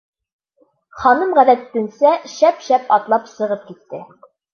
Ханым ғәҙәтенсә, шәп-шәп атлап, сығып китте.